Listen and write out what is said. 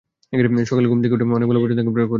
সকালে ঘুম থেকে উঠে অনেক বেলা পর্যন্ত, একাধিকবার করেছি।